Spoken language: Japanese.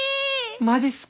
マジっすか？